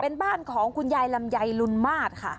เป็นบ้านของคุณยายลำไยลุนมาสค่ะ